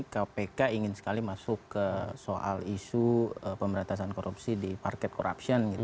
kpk ingin sekali masuk ke soal isu pemberantasan korupsi di market corruption gitu